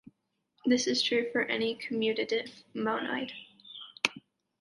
This is true for any commutative monoid.